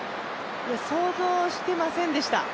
想像してませんでした。